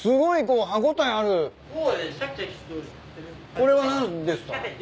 これは何ですか？